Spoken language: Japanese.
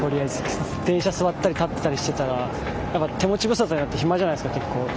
電車座ったり立ってたりしてたら手持ち無沙汰になってヒマじゃないですか結構。